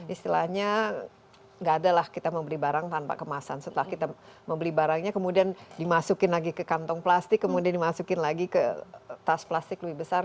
istilahnya nggak ada lah kita membeli barang tanpa kemasan setelah kita membeli barangnya kemudian dimasukin lagi ke kantong plastik kemudian dimasukin lagi ke tas plastik lebih besar